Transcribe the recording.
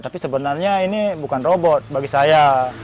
tapi sebenarnya ini bukan robot bagi saya